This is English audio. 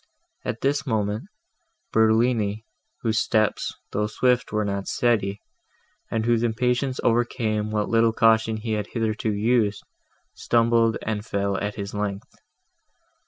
At this moment, Bertolini, whose steps, though swift, were not steady, and whose impatience overcame what little caution he had hitherto used, stumbled, and fell at his length.